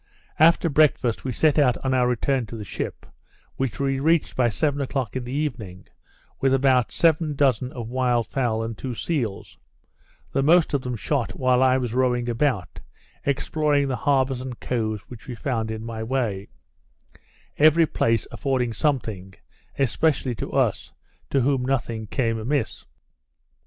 After breakfast we set out on our return to the ship, which we reached by seven o'clock in the evening, with about seven dozen of wild fowl, and two seals; the most of them shot while I was rowing about, exploring the harbours and coves which I found in my way; every place affording something, especially to us, to whom nothing came amiss.